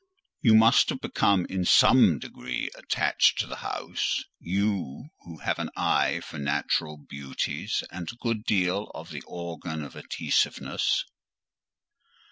"You must have become in some degree attached to the house,—you, who have an eye for natural beauties, and a good deal of the organ of Adhesiveness?"